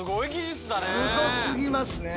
すごすぎますね。